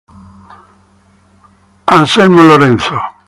Alexandre Lorenzo.